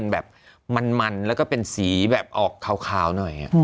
แบบมันแล้วก็เป็นสีแบบออกขาวหน่อย